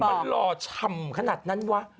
มันหล่อฉ่ำขนาดนั้นวะ